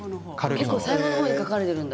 結構最後の方に書かれているんだ。